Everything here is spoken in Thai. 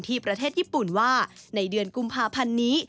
ประเทศญี่ปุ่นว่าในเดือนกุมภาพันธ์นี้